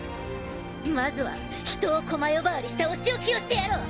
まずは人を駒呼ばわりしたお仕置きをしてやろう。